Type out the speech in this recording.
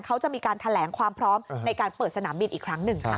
เขาจะมีการแถลงความพร้อมในการเปิดสนามบินอีกครั้งหนึ่งค่ะ